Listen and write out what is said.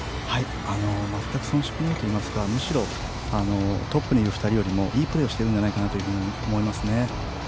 全く遜色がないといいますかむしろトップにいる２人よりもいいプレーをしてるのではと思います。